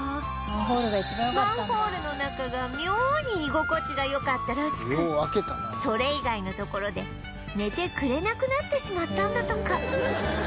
マンホールの中が妙に居心地が良かったらしくそれ以外の所で寝てくれなくなってしまったんだとか